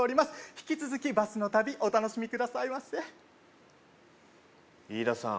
引き続きバスの旅お楽しみくださいませイイダさん